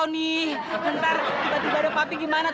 ntar tiba tiba ada papi gimana